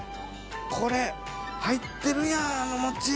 これ入ってるやんあの餅。